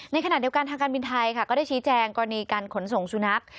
ในขณะเดียวกันทางการบินไทยค่ะก็ได้ชี้แจงกรณีการขนส่งสุนัข